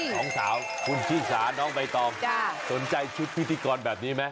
สาวคุณชิสาน้องใบตองสนใจชุดพิธีกรแบบนี้ไหม